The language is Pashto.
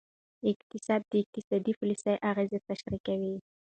اقتصاد د اقتصادي پالیسیو اغیزه تشریح کوي.